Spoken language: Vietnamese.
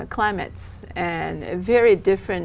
chào mừng quý vị đến